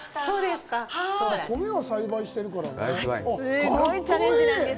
すごいチャレンジなんです。